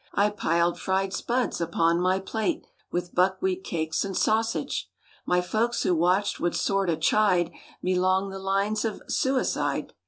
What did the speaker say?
I piled fried spuds upon my plate. With buckwheat cakes and sausage. My folks who watched would sort o' chide Me 'long the lines of suicide.